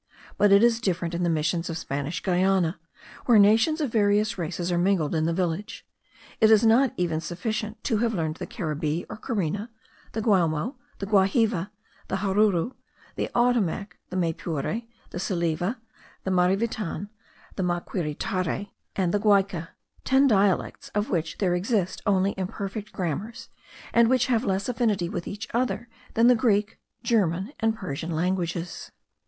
But it is different in the Missions of Spanish Guiana, where nations of various races are mingled in the village. It is not even sufficient to have learned the Caribee or Carina, the Guamo, the Guahive, the Jaruro, the Ottomac, the Maypure, the Salive, the Marivitan, the Maquiritare, and the Guaica, ten dialects, of which there exist only imperfect grammars, and which have less affinity with each other than the Greek, German, and Persian languages.